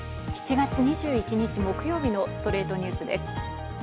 ７月２１日、木曜日の『ストレイトニュース』です。